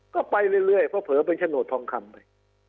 ก็ไปเรื่อยเพราะเผลอเป็นโฉนดทองคำไป